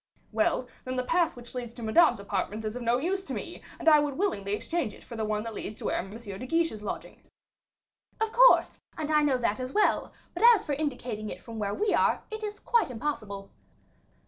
"Well, then the path which leads to Madame's apartments is of no use to me, and I would willingly exchange it for the one that leads to where M. de Guiche is lodging." "Of course, and I know that as well; but as for indicating it from where we are, it is quite impossible."